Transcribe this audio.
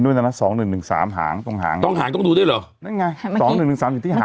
ตอนนั้นสองหนึ่งหนึ่งสามหางตรงหางตรงหางต้องดูด้วยเหรอนั่นไงสองหนึ่งหนึ่งสามอยู่ที่หาง